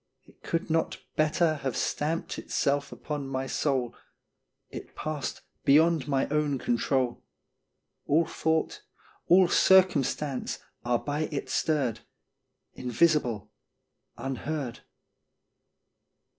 It could not better Have stamped itself upon my soul It passed beyond my own control. All thought, all circumstance are by it stirred, Invisible, unheard.